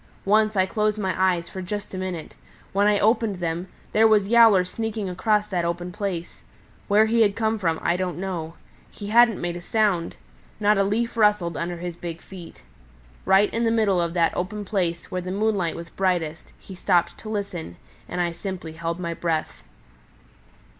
Once I closed my eyes for just a minute. When I opened them, there was Yowler sneaking across that open place. Where he had come from, I don't know. He hadn't made a sound. Not a leaf rustled under his big feet. Right in the middle of that open place, where the moonlight was brightest, he stopped to listen, and I simply held my breath."